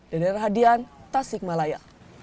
dari radian tasik malaya